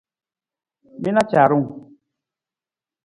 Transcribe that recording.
Mi na caarung!